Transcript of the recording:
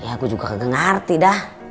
ya gua juga gak ngerti dah